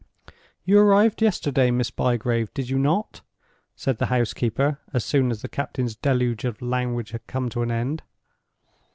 "You arrived yesterday, Miss Bygrave, did you not?" said the housekeeper, as soon as the captain's deluge of language had come to an end.